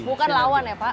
bukan lawan ya pak